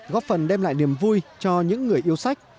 góp phần đem lại niềm vui cho những người yêu sách